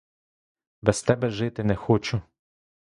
Без тебе жити не хочу!